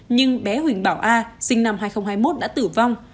nhưng bé huỳnh bảo a sinh năm hai nghìn hai mươi một đã tử vong